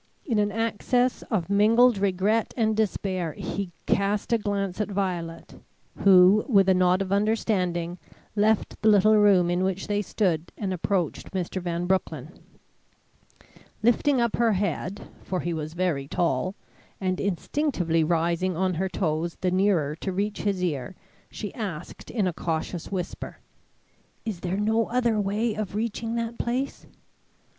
In an access of mingled regret and despair, he cast a glance at Violet, who, with a nod of understanding, left the little room in which they still stood, and approached Mr. Van Broecklyn. Lifting up her head, for he was very tall, and instinctively rising on her toes the nearer to reach his ear, she asked in a cautious whisper: "Is there no other way of reaching that place?"